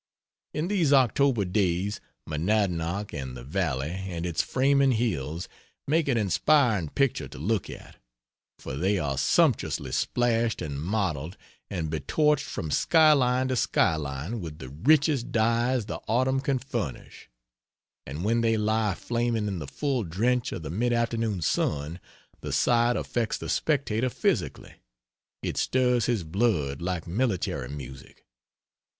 In these October days Monadnock and the valley and its framing hills make an inspiring picture to look at, for they are sumptuously splashed and mottled and be torched from sky line to sky line with the richest dyes the autumn can furnish; and when they lie flaming in the full drench of the mid afternoon sun, the sight affects the spectator physically, it stirs his blood like military music.